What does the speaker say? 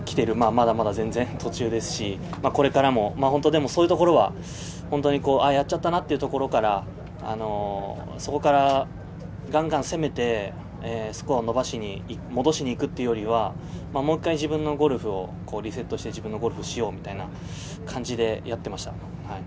まだまだ全然途中ですしこれからもそういうところはやっちゃったなってところからそこからガンガン攻めてスコアを戻しに行くというよりはもう１回リセットして自分のゴルフを使用みたいな感じでやっていました。